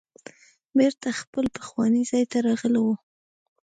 بیرته خپل پخواني ځای ته راغلو.